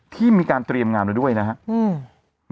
ที่มีการเตรียมงานแล้วด้วยนะครับ